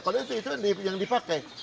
kalau itu itu yang dipakai